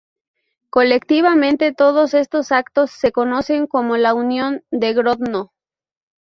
Colectivamente todos estos actos se conocen como la Unión de Grodno.